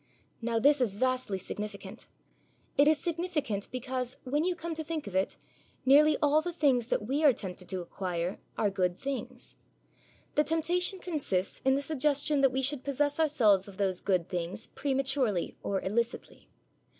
Now this is vastly significant. It is significant because, when you come to think of it, nearly all the things that we are tempted to acquire are good things. The temptation consists in the suggestion that we should possess ourselves of those good things prematurely or illicitly.